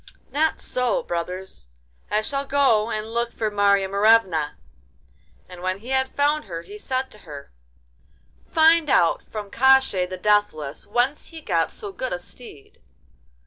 'Not so, brothers; I shall go and look for Marya Morevna.' And when he had found her, he said to her: 'Find out from Koshchei the Deathless whence he got so good a steed.